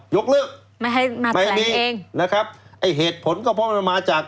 ยกเลิกไม่ให้มามีเองนะครับไอ้เหตุผลก็เพราะมันมาจาก